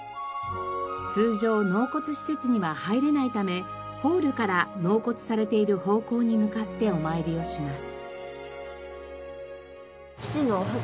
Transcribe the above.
通常納骨施設には入れないためホールから納骨されている方向に向かってお参りをします。